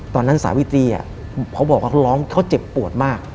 สาวิตรีเขาบอกว่าเขาร้องเขาเจ็บปวดมาก